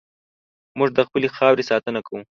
موږ د خپلې خاورې ساتنه کوو.